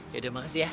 yaudah makasih ya